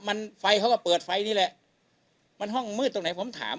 มันไฟเขาก็เปิดไฟนี่แหละมันห้องมืดตรงไหนผมถาม